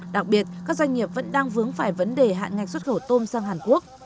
đặc biệt các doanh nghiệp vẫn đang vướng phải vấn đề hạn ngạch xuất khẩu tôm sang hàn quốc